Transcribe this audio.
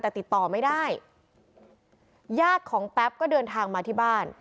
แต่ติดต่อไม่ได้ญาติของแป๊บก็เดินทางมาที่บ้าน